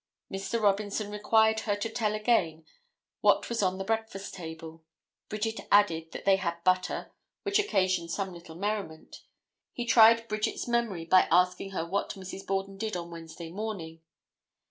Mr. Robinson required her to tell again what was on the breakfast table. Bridget added that they had butter, which occasioned some little merriment. He tried Bridget's memory by asking her what Mrs. Borden did on Wednesday morning.